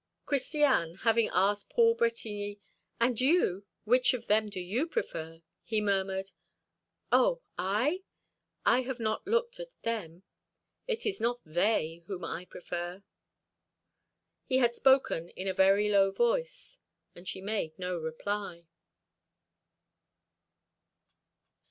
Christiane, having asked Paul Bretigny: "And you, which of them do you prefer?" he murmured: "Oh! I? I have not even looked at them. It is not they whom I prefer." He had spoken in a very low voice; and she made no reply.